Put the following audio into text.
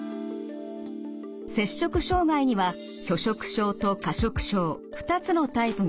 摂食障害には拒食症と過食症２つのタイプがあります。